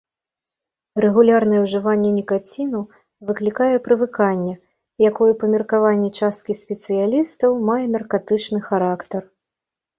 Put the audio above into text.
Рэгулярнае ўжыванне нікаціну выклікае прывыканне, якое па меркаванні часткі спецыялістаў, мае наркатычны характар.